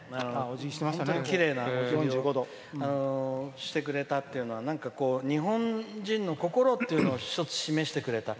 本当にきれいなおじぎをしてくれたっていうのはなんか日本人の心っていうのを一つ示してくれた。